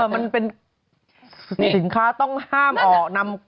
มันเป็นสินค้าต้องห้ามออกนำ